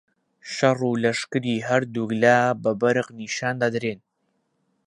شەڕ و لەشکری هەردووک لا بە بەرق نیشان دەدرێن